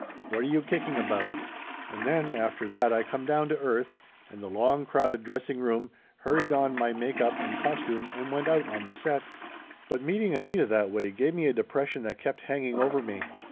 What are you kicking about?" And then after that I come down to earth and the long crowded dressing room, hurried on my make up and costume and went out on the set. But meeting Anita that way give me a depression that kept hanging over me.